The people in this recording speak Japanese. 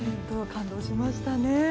感動しましたね。